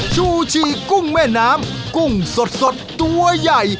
ชูชีกุ้งแม่น้ำกุ้งสดตัวใหญ่